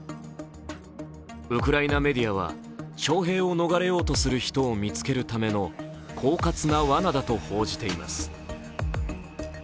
ウクライナメディアは、徴兵を逃れようとする人を見つけるためのこうかつなわなだと報じています。